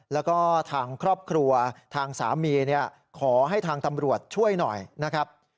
แล้วก็ทางครอบครัวทางสามีขอให้ทางตำรวจช่วยหน่อยนะครับ